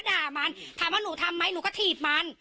ถามว่าหนูทำไหมหนูก็ถีดมัน